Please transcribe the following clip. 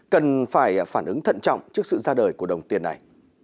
cần phải phản ứng thận trọng trước sự ra đời của đồng tiền này